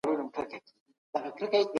بهرنۍ تګلاره د ملت له ارزښتونو جلا نه ده.